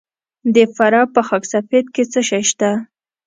د فراه په خاک سفید کې څه شی شته؟